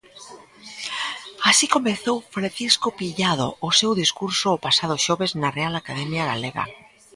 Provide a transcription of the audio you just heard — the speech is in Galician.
Así comezou Francisco Pillado o seu discurso o pasado xoves na Real Academia Galega.